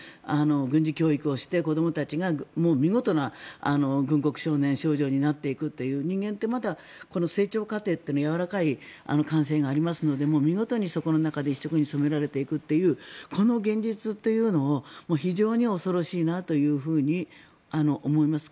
軍事教育をして子どもたちが見事な軍国少年少女になっていくという人間って、まだ成長過程はやわらかい感性があるので見事にそこの中に一色に染められていくというこの現実というのは非常に恐ろしいなと思います。